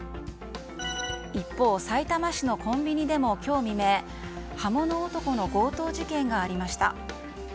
一方、さいたま市のコンビニでも今日未明、刃物男の強盗事件がありました。